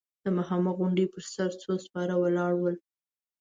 د مخامخ غونډۍ پر سر څو سپاره ولاړ ول.